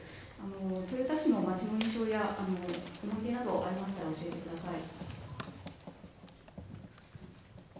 豊田市の町の印象や感想がありましたら教えてください。